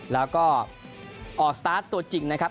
แล้วก็ออกสตาร์ทตัวจริงนะครับ